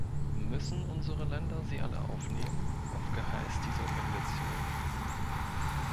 Müssen unsere Länder sie alle aufnehmen, auf Geheiß dieser Organisation?